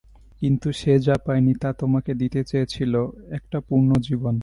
কিন্তু সে যা পায়নি তা তোমাকে দিতে চেয়েছিল, একটা পূর্ণ জীবন।